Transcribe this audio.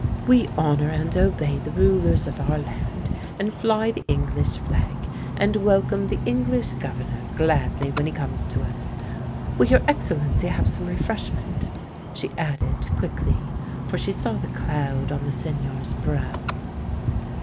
" We honour and obey the rulers of our land, and fly the English flag, and welcome the English Governor gladly when he comes to us — will your Ex cellency have some refreshment?" she added quickly, for she saw the cloud on the Seigneur's brow.